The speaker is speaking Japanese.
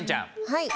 はい。